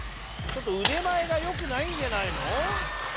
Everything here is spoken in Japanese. ちょっと腕前がよくないんじゃないの？